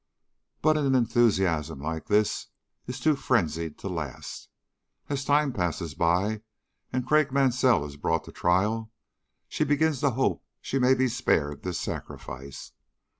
"But an enthusiasm like this is too frenzied to last. As time passes by and Craik Mansell is brought to trial, she begins to hope she may be spared this sacrifice.